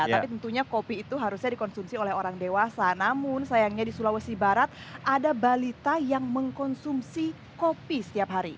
tapi tentunya kopi itu harusnya dikonsumsi oleh orang dewasa namun sayangnya di sulawesi barat ada balita yang mengkonsumsi kopi setiap hari